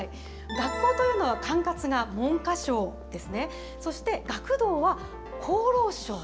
学校というのは、管轄が文科省ですね、そして学童は厚労省。